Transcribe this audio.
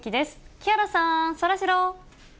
木原さん、そらジロー。